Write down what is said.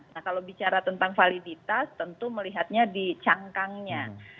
nah kalau bicara tentang validitas tentu melihatnya di cangkangnya